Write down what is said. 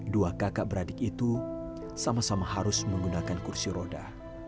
dua kakak beradik itu sama sama harus menggunakan kursi roda